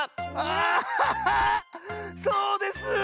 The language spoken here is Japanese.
そうです！